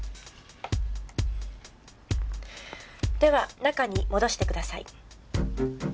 では中に戻してください。